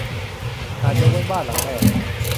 อาจยกเว้นบ้านหลังแรก